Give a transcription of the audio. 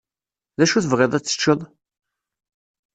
D acu tebɣiḍ ad teččeḍ?